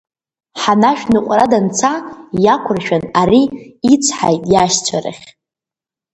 Ҳанашә ныҟәара данца иақәыршәан ари ицҳаит иашьцәа рахь…